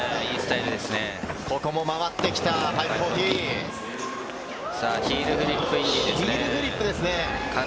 ここも回ってきた、５４０ヒールフリップですね。